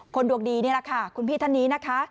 ดวงดีนี่แหละค่ะคุณพี่ท่านนี้นะคะ